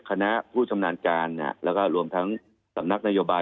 คณะผู้ชำนาญการแล้วก็รวมทั้งสำนักนโยบาย